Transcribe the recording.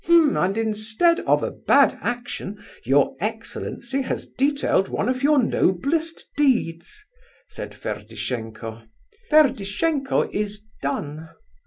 "H'm! and instead of a bad action, your excellency has detailed one of your noblest deeds," said Ferdishenko. "Ferdishenko is 'done.